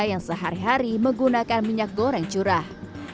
yang sehari hari menggunakan minyak goreng curah